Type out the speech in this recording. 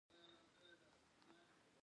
ایران د شخړو حل غواړي.